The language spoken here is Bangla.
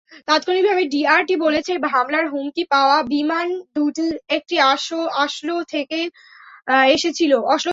তাৎক্ষণিকভাবে ভিআরটি বলেছে, হামলার হুমকি পাওয়া বিমান দুটির একটি অসলো থেকে এসেছিল।